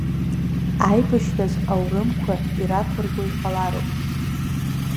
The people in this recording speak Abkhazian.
Аибашьраз аурымқәа ираԥырго иҟалароуп.